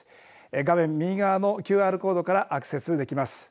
画面右側のＱＲコードからアクセスできます。